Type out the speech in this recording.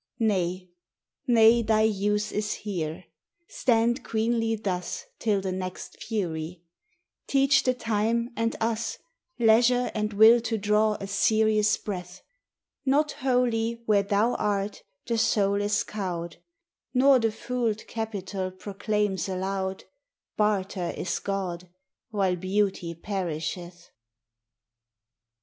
Nay, nay, thy use is here. Stand queenly thus Till the next fury; teach the time and us Leisure and will to draw a serious breath: Not wholly where thou art the soul is cowed, Nor the fooled capital proclaims aloud Barter is god, while Beauty perisheth.